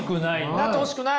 なってほしくない。